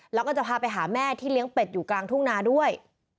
แล้วก็จะพาไปหาแม่ที่เลี้ยงเป็ดอยู่กลางทุ่งนาด้วย